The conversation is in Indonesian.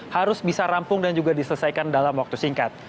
harus bisa rampung dan juga diselesaikan dalam waktu singkat